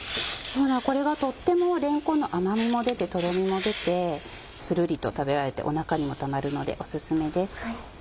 これがとってもれんこんの甘みも出てとろみも出てスルリと食べられてお腹にもたまるのでオススメです。